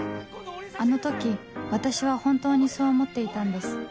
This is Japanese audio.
あの時私は本当にそう思っていたんです